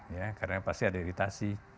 ya karena pasti ada iritasi